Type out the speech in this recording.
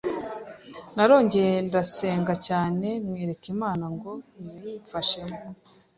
narongeye ndasenga cyane mwereka Imana ngo ibimfashemo